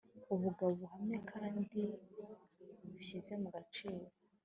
Ubugabo buhamye kandi bushyize mu gaciro